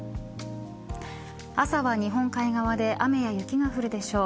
朝は日本海側で雨や雪が降るでしょう。